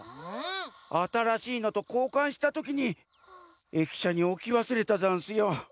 あたらしいのとこうかんしたときに駅しゃにおきわすれたざんすよ。